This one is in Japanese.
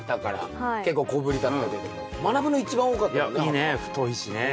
いいね太いしね。